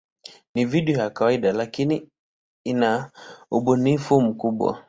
Ni video ya kawaida, lakini ina ubunifu mkubwa.